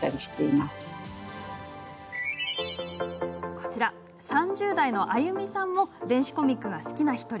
こちら３０代のアユミさんも電子コミックが好きな１人。